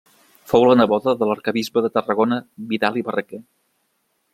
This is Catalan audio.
Fou la neboda de l'arquebisbe de Tarragona, Vidal i Barraquer.